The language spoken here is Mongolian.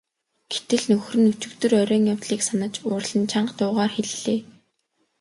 Гэтэл нөхөр нь өчигдөр оройн явдлыг санаж уурлан чанга дуугаар хэллээ.